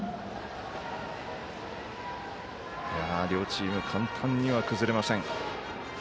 両チーム、簡単には崩れません。